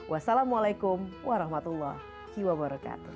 wassalamualaikum warahmatullah wabarakatuh